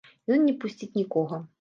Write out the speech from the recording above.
Ён не пусціць нікога.